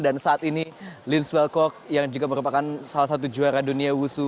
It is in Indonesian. dan saat ini linz welkog yang juga merupakan salah satu juara dunia wusu